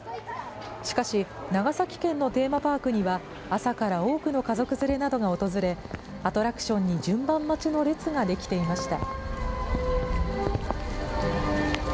しかし、長崎県のテーマパークには朝から多くの家族連れなどが訪れ、アトラクションに順番待ちの列が出来ていました。